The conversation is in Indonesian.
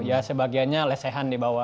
ya sebagiannya lesehan